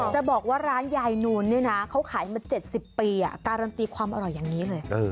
จะบอกว่าร้านยายนูนเนี่ยนะเขาขายมา๗๐ปีการันตีความอร่อยอย่างนี้เลย